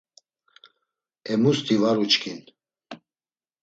Emusti var uçkin.